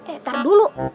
eh tar dulu